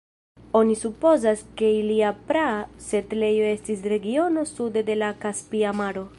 Oni supozas ke ilia praa setlejo estis regiono sude de la Kaspia Maro.